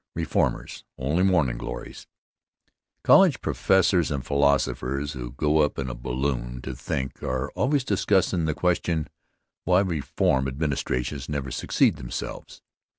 Reformers Only Mornin' Glories COLLEGE professors and philosophers who go up in a balloon to think are always discussin' the question: "Why Reform Administrations Never Succeed Themselves!"